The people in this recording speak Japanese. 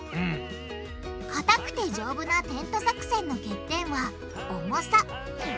かたくて丈夫なテント作戦の欠点は重さ。